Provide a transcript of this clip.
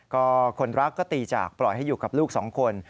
ก็คนรักก็ตีจากปล่อยให้อยู่กับลูกสองคน